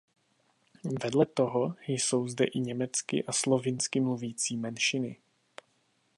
Vedle toho jsou zde i německy a slovinsky mluvící menšiny.